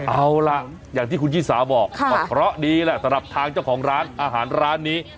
เอาล่ะอย่างที่คุณชิสาบอกก็เพราะดีแหละสำหรับทางเจ้าของร้านอาหารร้านนี้